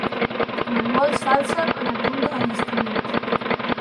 El moll s'alça en el punt de lliscament.